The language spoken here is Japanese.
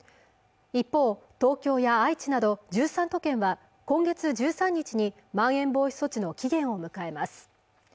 一方東京や愛知など１３都県は今月１３日にまん延防止措置の期限を迎えます